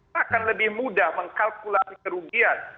akan lebih mudah mengkalkulasi kerugian